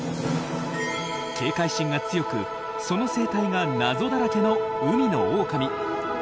警戒心が強くその生態が謎だらけの海のオオカミ。